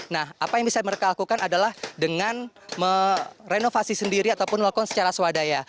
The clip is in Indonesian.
nah apa yang bisa mereka lakukan adalah dengan merenovasi sendiri ataupun melakukan secara swadaya